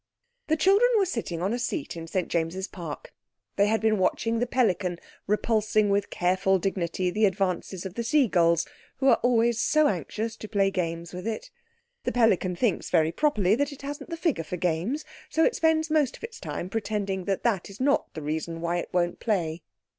The children were sitting on a seat in St James's Park. They had been watching the pelican repulsing with careful dignity the advances of the seagulls who are always so anxious to play games with it. The pelican thinks, very properly, that it hasn't the figure for games, so it spends most of its time pretending that that is not the reason why it won't play.